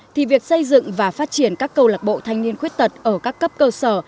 thì việc xây dựng và phát triển các câu lạc bộ thanh niên khuyết tật ở các cấp cơ sở